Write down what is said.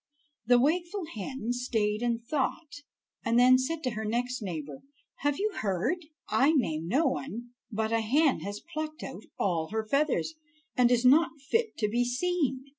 The wakeful hen stayed and thought, and then said to her next neighbor: "Have you heard? I name no one, but a hen has plucked out all her feathers, and is not fit to be seen.